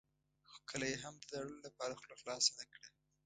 خو کله یې هم د داړلو لپاره خوله خلاصه نه کړه.